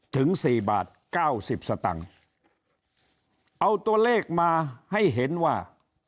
ถึงสี่บาทเก้าสิบสตังค์เอาตัวเลขมาให้เห็นว่า